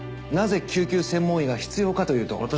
なぜ救急専門医が必要かというと。